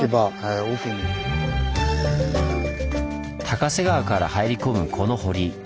高瀬川から入り込むこの堀。